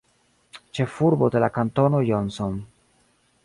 Ĉefurbo de la kantono Johnson.